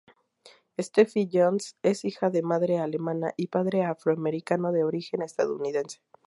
Steffi Jones es hija de madre alemana y padre afroamericano de origen estadounidense.